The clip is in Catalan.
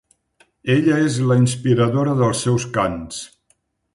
Ella és la inspiradora dels seus cants.